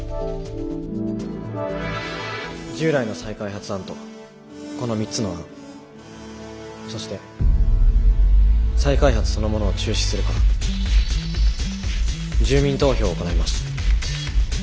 従来の再開発案とこの３つの案そして再開発そのものを中止するか住民投票を行います。